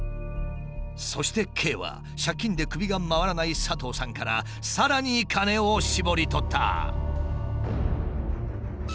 そしてＫは借金で首が回らない佐藤さんからさらに金を搾り取った。